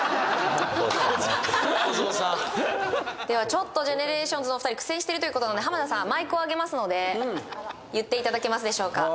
ではちょっとＧＥＮＥＲＡＴＩＯＮＳのお二人苦戦してるということなんで浜田さんマイクを上げますので言っていただけますでしょうか？